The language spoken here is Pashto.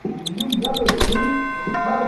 که تاسي په رښتیا افغانان یاست نو د یو بل لاس ونیسئ.